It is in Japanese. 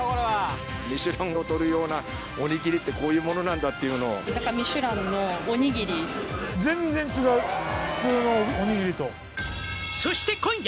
ミシュランをとるようなおにぎりってこういう物なんだっていうの普通のおにぎりと「そして今夜」